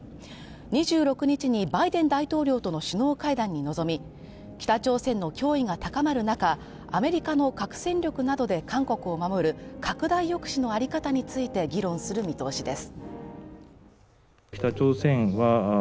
２６日にバイデン大統領との首脳会談に臨み、北朝鮮の脅威が高まる中アメリカの核戦力などで韓国を守る拡大抑止のあり方について議論する見通しです